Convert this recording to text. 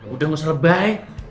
udah gak usah lebay